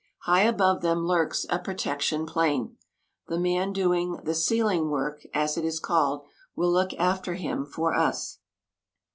High above them lurks a protection plane. The man doing the "ceiling work," as it is called, will look after him for us.